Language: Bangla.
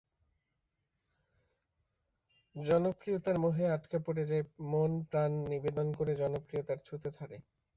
জনপ্রিয়তার মোহে আটকা পড়ে যায়, মন-প্রাণ নিবেদন করে জনপ্রিয়তার ছুতো ধরে।